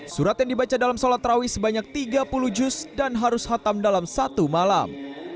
surat yang dibaca dalam sholat terawih sebanyak tiga puluh juz dan harus hatam dalam satu malam